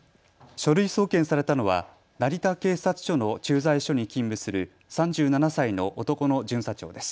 書類送検されたのは成田警察署の駐在所に勤務する３７歳の男の巡査長です。